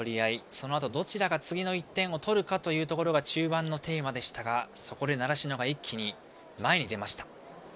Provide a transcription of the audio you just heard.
そのあと、どちらが次の１点を取るかというのが中盤のテーマでしたがそこで習志野が一気に前に出ました。